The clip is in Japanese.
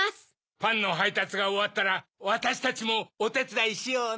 パンのはいたつがおわったらわたしたちもおてつだいしようね。